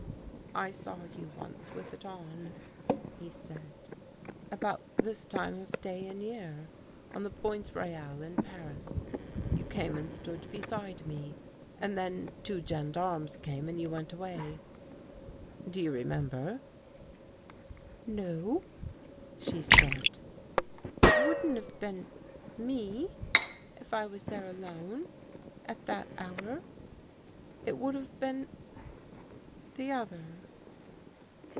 " I saw you once with it on," he said. " About this time of day and year. On the Pont Royale in Paris. You came and stood beside me. And then two gendarmes came and you went away. Do you remember? "" No," she said. " It wouldn't have been — me, if I was there alone, at that hour. It would have been — the other."